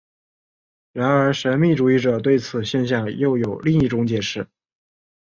然而神秘主义者对此现象又有另一种解释。